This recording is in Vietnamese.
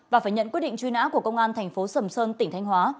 và phải nhận quyết định truy nã của công an thành phố sầm sơn tỉnh thanh hóa